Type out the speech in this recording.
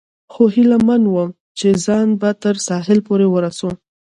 خو هیله من ووم، چې ځان به تر ساحل پورې ورسوم.